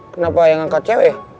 kenapa yang angkat cewek